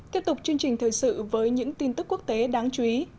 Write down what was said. tiếp tục chương trình thời sự với những tin tức quốc tế đáng chú ý